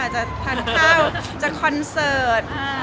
จะทานข้าวจะคอนเสิร์ต